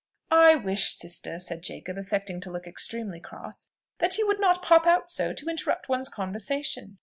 "I wish, sister," said Jacob, affecting to look extremely cross, "that you would not pop out so, to interrupt one's conversation!